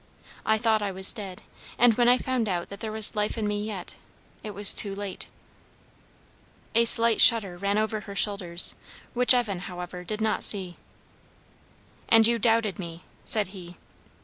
I thought I was dead; and when I found out that there was life in me yet, it was too late." A slight shudder ran over her shoulders, which Evan, however, did not see. "And you doubted me!" said he.